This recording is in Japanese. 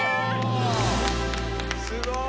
すごい！